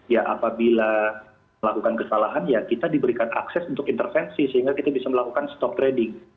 ya apabila melakukan kesalahan ya kita diberikan akses untuk intervensi sehingga kita bisa melakukan stop trading